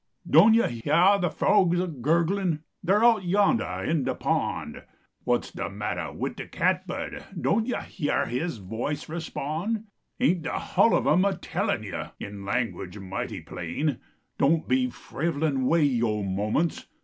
Doan yo hyar de frogs a gnrgliif Dar out vondah in de pond ? What s de inattah \vid de cat bird, Doan yo hvar his voice respond? Ain t de hull of em a tellin yo In language mighty plain, Doan be frivlin way vo moments.